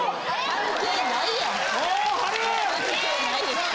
関係ないですって。